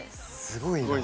すごいな。